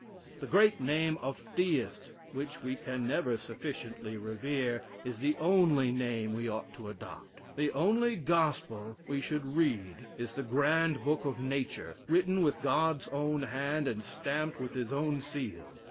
'The great name of Theist, which we can never sufficiently revere,' is the only name we ought to adopt. The only gospel we should read is the grand book of nature, written with God's own hand, and stamped with his own seal.